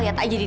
lihat aja dia